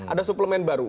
ada suplemen baru